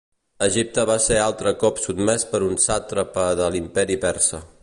Egipte va ser altre cop sotmès per un sàtrapa de l'Imperi persa.